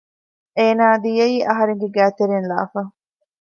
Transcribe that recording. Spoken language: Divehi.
އޭނާ ދިޔައީ އަހަރެންގެ ގައިތެރެއިންލާފަ